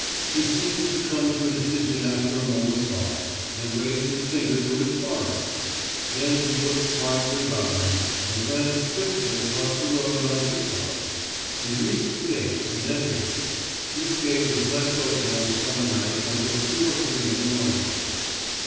He seemed to come to a decision after a moment's thought, and raised his finger to his forehead; then he looked quietly about him, and ran swiftly across the road on tiptoe. He reached the gate, and entered it; this gate was often left open on summer nights until two or three in the morning.